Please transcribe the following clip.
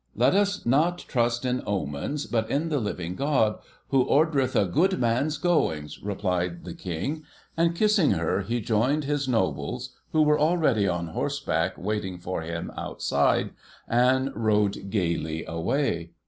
'Let us not trust in omens, but in the living God, who "ordereth a good man's goings,"' replied the King, and, kissing her, he joined his nobles, who were already on horseback waiting for him outside, and rode gaily away.